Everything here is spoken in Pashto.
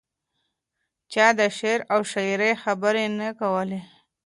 چا د شعر او شاعرۍ خبرې نه کولې.